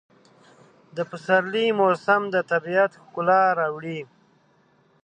د پسرلي موسم د طبیعت ښکلا راوړي.